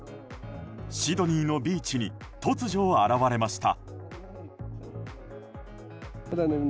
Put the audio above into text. シドニーのビーチに突如、現れました。